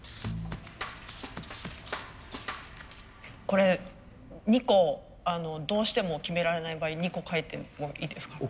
これ２個どうしても決められない場合２個かいてもいいですか？